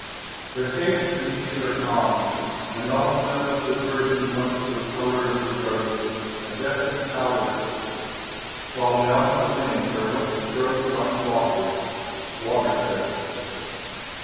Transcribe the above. _] III The Haigs indeed are gone, and on the Nose That bourgeoned once with color of the rose A deathly Pallor sits, while down the lane Where once strode Johnny Walker Water goes.